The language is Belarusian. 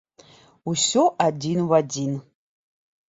Усё адзін у адзін!